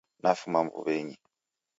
Nafuma mbuw'enyi